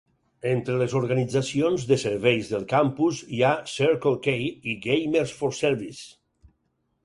Entre les organitzacions de serveis del campus hi ha Circle K i Gamers for Service.